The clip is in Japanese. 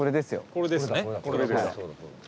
これです。